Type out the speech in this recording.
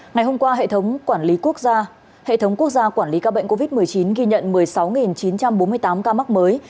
ngày hôm qua hệ thống quản lý ca bệnh covid một mươi chín ghi nhận một mươi sáu chín trăm bốn mươi tám ca mắc mới